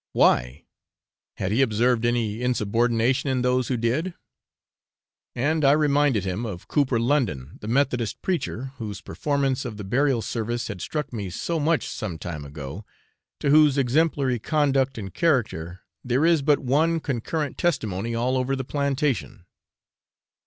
'Why, had he observed any insubordination in those who did?' And I reminded him of Cooper London, the methodist preacher, whose performance of the burial service had struck me so much some time ago to whose exemplary conduct and character there is but one concurrent testimony all over the plantation.